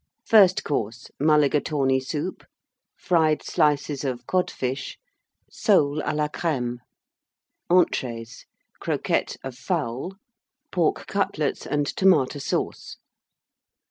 FIRST COURSE. Mulligatawny Soup. Fried Slices of Codfish. Soles à la Crême. ENTREES. Croquettes of Fowl. Pork Cutlets and Tomata Sauce.